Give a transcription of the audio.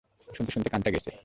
শুনতে শুনতে কানটা গেছে?